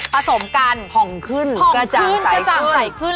ผสมกันผ่องขึ้นกระจ่างใสขึ้น